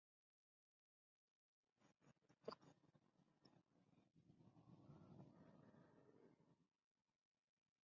Aunque les son poco a poco devueltos, Rabelais resuelve cambiar de orden monástica.